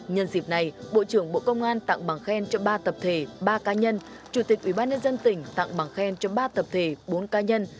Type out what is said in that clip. nhân dịp này bộ trưởng bộ công an tặng bằng khen cho ba tập thể ba ca nhân chủ tịch ủy ban nhân dân tỉnh tặng bằng khen cho ba tập thể bốn ca nhân